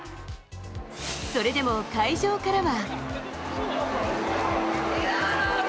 それでも会場からは。